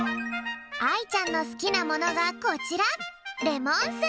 あいちゃんのすきなものがこちら